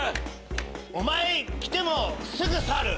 お前来てもすぐサル。